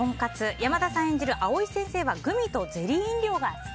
山田さん演じる藍井先生はグミとゼリー飲料が好き。